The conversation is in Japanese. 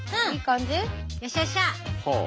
よっしゃよっしゃ！